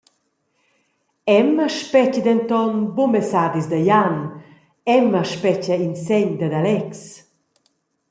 Emma spetga denton buca messadis da Jan, Emma spetga in segn dad Alex.